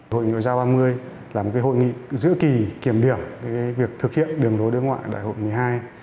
hội ngoại giao ba mươi là một hội nghị giữ kỳ kiểm điểm việc thực hiện đường đối đối ngoại đại hội một mươi hai